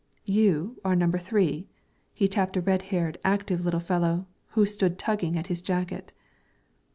"You are number three," he tapped a red haired, active little fellow who stood tugging at his jacket.